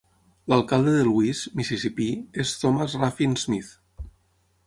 L'alcalde de Louise, Mississipí, és Thomas Ruffin Smith.